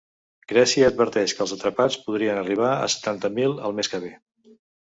Grècia adverteix que els ‘atrapats’ podrien arribar a setanta mil el mes que ve.